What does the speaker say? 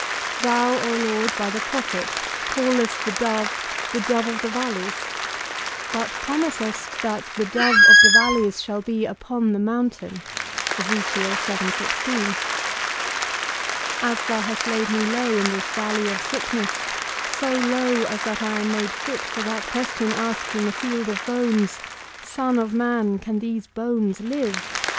Thou, O Lord, by the prophet, callest the dove the dove of the valleys, but promisest that the dove of the valleys shall be upon the mountain. As thou hast laid me low in this valley of sickness, so low as that I am made fit for that question asked in the field of bones, _Son of man, can these bones live?